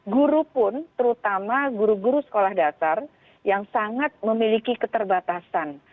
guru pun terutama guru guru sekolah dasar yang sangat memiliki keterbatasan